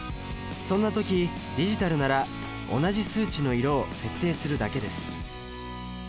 そんな時ディジタルなら同じ数値の色を設定するだけです。